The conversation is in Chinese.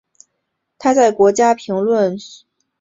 他在国家评论协会和好莱坞电影奖赢得突破艺人奖。